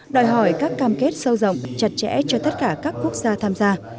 đòi hỏi các cam kết sâu rộng chặt chẽ cho tất cả các quốc gia tham gia